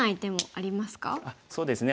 あっそうですね。